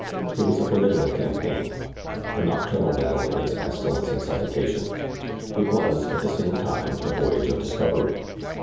It was a formidable campaign; a nocturnal battle against pestilence and suffocation. It was, at the same time, a voyage of discovery.